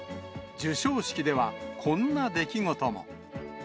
授賞式では、こんな出来事も。